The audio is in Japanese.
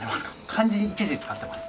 漢字一字使ってます。